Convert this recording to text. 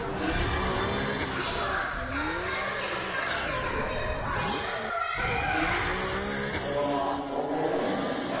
最後はたくさんのキャラクターたちを楽しむ鬼ごっこワールド！